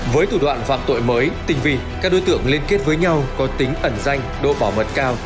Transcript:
với thủ đoạn phạm tội mới tình vị các đối tượng liên kết với nhau có tính ẩn danh độ bảo mật cao